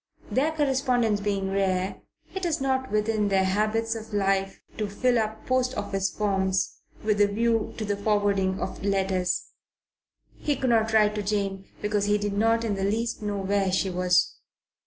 Their correspondence being rare, it is not within their habits of life to fill up post office forms with a view to the forwarding of letters. He could not write to Jane because he did not in the least know where she was.